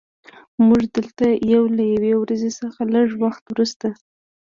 موږ دلته یو له یوې ورځې څخه لږ وخت وروسته